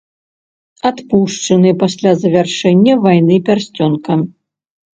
Адпушчаны пасля завяршэння вайны пярсцёнка.